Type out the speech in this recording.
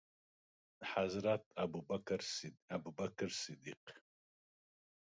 حضرت ابوبکر صدیق